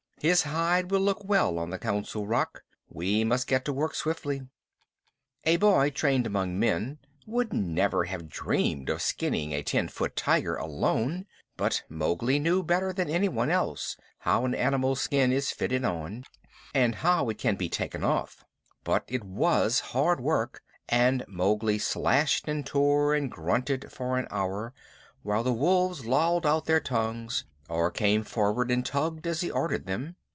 His hide will look well on the Council Rock. We must get to work swiftly." A boy trained among men would never have dreamed of skinning a ten foot tiger alone, but Mowgli knew better than anyone else how an animal's skin is fitted on, and how it can be taken off. But it was hard work, and Mowgli slashed and tore and grunted for an hour, while the wolves lolled out their tongues, or came forward and tugged as he ordered them.